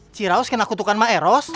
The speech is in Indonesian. ciraus kena kutukan maeros